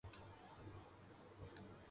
جد في وجده بكم فعلاما